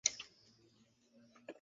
আপনি রসিকতা করছেন নাতো?